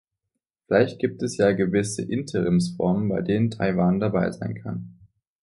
Vielleicht gibt es ja gewisse Interimsformen, bei denen Taiwan dabei sein kann.